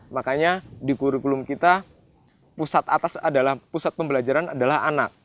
makanya di kurikulum kita pusat atas adalah pusat pembelajaran adalah anak